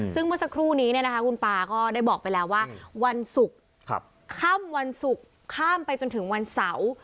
ซึ่งเมื่อสักครู่นี้คุณปาก็ได้บอกไปแล้วว่าวันศุกร์ค่ำวันศุกร์ข้ามไปจนถึงวันเสาร์